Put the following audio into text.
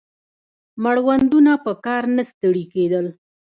مړوندونه په کار نه ستړي کېدل